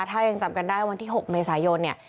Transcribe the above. ถ้ายังจำกันได้วันที่๖เมษายนเนี่ย